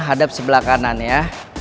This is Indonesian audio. hadap sebelah kanan ya